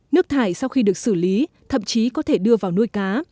nước thải sau khi được xử lý thậm chí có thể đưa vào nuôi cá